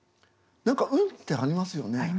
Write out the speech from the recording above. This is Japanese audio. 何か運ってありますよね。